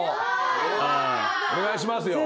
お願いしますよ。